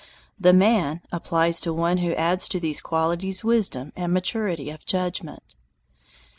"The Man" applies to one who adds to these qualities wisdom and maturity of judgment.